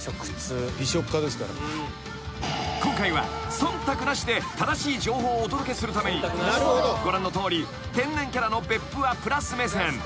［今回は忖度なしで正しい情報をお届けするためにご覧のとおり天然キャラの別府はプラス目線］